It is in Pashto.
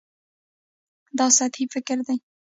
دا سطحي فکر دی.